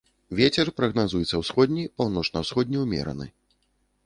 Вецер прагназуецца ўсходні, паўночна-ўсходні ўмераны.